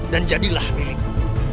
dan jadilah milikku